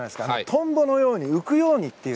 トンボのように浮くようにっていう。